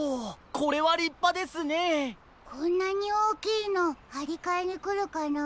こんなにおおきいのはりかえにくるかなあ。